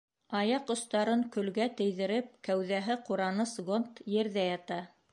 Аяҡ остарын көлгә тейҙереп, кәүҙәһе ҡураныс гонд ерҙә ята.